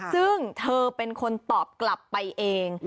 ซึ่งเธอเป็นคนตอบกลับไปเอง